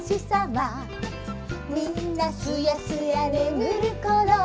「みんなすやすやねむるころ」